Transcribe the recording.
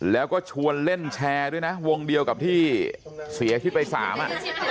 แล้วก็ชวนเล่นแชร์ด้วยนะวงเดียวกับที่เสียชีวิตไปสามอ่ะ